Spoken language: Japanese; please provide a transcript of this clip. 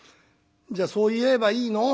じゃあそう言えばいいの？